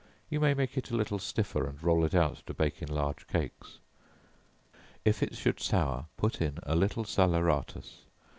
You may make it a little stiffer, and roll it out to bake in large cakes. If it should sour, put in a little salaeratus.